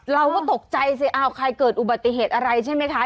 เราก็ตกใจสิอ้าวใครเกิดอุบัติเหตุอะไรใช่ไหมคะ